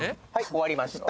終わりました